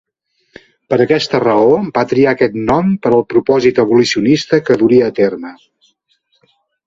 Per aquesta raó, va triar aquest nom per al propòsit abolicionista que duria a terme.